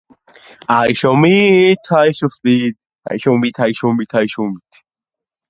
ხორასანში მეფობდა დიდებული, კეთილგონიერი, უხვი და მოწყალე მეფე